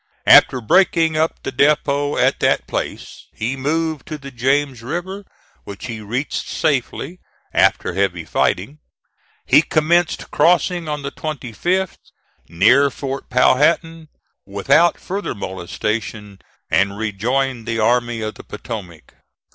After breaking up the depot at that place, he moved to the James River, which he reached safely after heavy fighting. He commenced crossing on the 25th, near Fort Powhatan, without further molestation, and rejoined the Army of the Potomac.